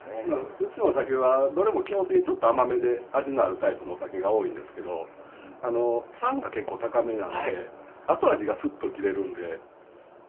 うちのお酒はどれも基本的にちょっと甘めで味のあるタイプのお酒が多いんですけど酸が結構高めなので後味がスッと切れるんで。